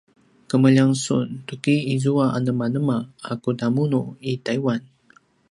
kemeljang sun tuki izua anemanema a kudamunu i taiwan?